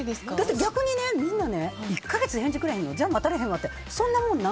逆にみんな１か月返事くれへんの？じゃあ待たれへんってそんなもんなん？